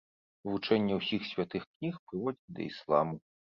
Вывучэнне ўсіх святых кніг прыводзіць да ісламу.